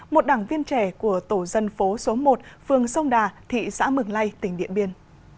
một đảng viên trẻ của tổ dân phố số một phường sông đà thị xã mường lây tỉnh điện biên